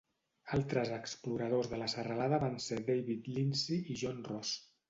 Altres exploradors de la serralada van ser David Lindsay i John Ross.